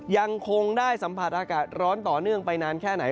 ยังคงได้สัมผัสอากาศร้อนต่อเนื่องไปนานแค่ไหน